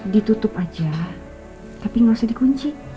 ditutup aja tapi nggak usah dikunci